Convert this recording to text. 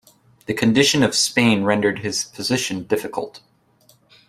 The condition of Spain rendered his position difficult.